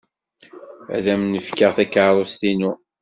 Ad m-n-fkeɣ takeṛṛust-inu.